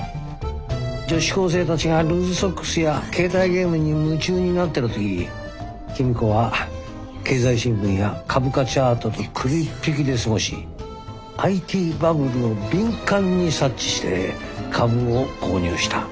女子高生たちがルーズソックスや携帯ゲームに夢中になってる時公子は経済新聞や株価チャートと首っ引きで過ごしＩＴバブルを敏感に察知して株を購入した。